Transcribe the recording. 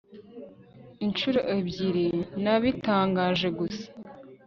inshuro ebyiri nabitangaje gusa